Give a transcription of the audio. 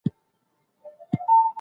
څېړنې د معلوماتو جوړولو لپاره اړین دي.